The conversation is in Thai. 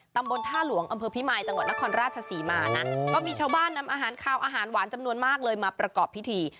ตำบลท่าหลวงอำเภอพิมายจังหวัดนครราชศรีมานะก็มีชาวบ้านนำอาหารคาวอาหารหวานจำนวนมากเลยมาประกอบพิธี